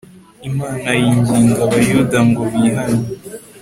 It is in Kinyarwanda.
imana yinginga abayuda ngo bihane